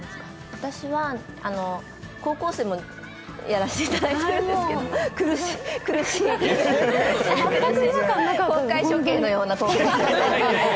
私は高校生もやらせていただいてるんですけど、苦しい、公開処刑のような。